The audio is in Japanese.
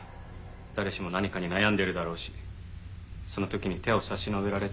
誰しも何かに悩んでるだろうしその時に手を差し伸べられたら。